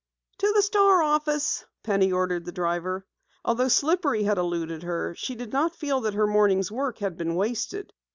"To the Star office," Penny ordered the driver. Although Slippery had eluded her, she did not feel that her morning's work had been wasted.